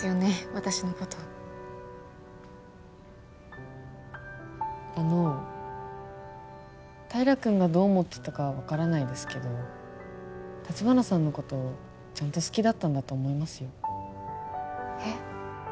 私のことあの平君がどう思ってたかは分からないですけど橘さんのことちゃんと好きだったんだと思いますよえっ？